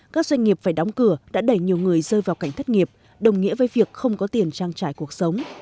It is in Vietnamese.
các doanh nghiệp phải đóng cửa đã đẩy nhiều người rơi vào cảnh thất nghiệp đồng nghĩa với việc không có tiền trang trải cuộc sống